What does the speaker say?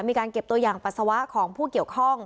มีการเก็บตัวอย่างปัสสาวะของผู้เกี่ยวข้อง